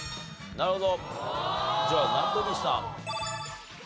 なるほど。